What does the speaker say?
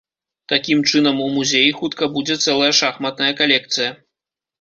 Такім чынам у музеі хутка будзе цэлая шахматная калекцыя.